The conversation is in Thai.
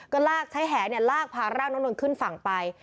ก็ลากใช้แหลากพาร่างน้องนนท์ขึ้นฝั่งไป